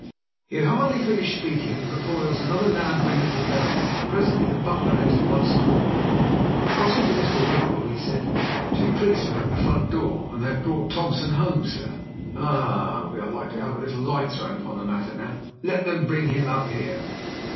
He had hardly finished speaking before there was another loud ring at the bell, and presently the butler entered once more. Crossing to Mr. Wetherell, he said "Two policemen are at the front door, and they have brought Thompson home, sir." "Ah! We are likely to have a little light thrown upon the matter now. Let them bring him up here."